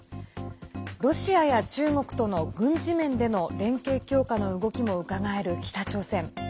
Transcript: ロシアや中国との軍事面での連携強化の動きもうかがえる北朝鮮。